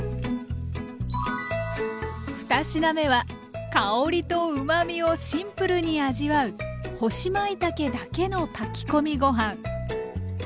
２品目は香りとうまみをシンプルに味わう干しまいたけだけの炊き込みご飯。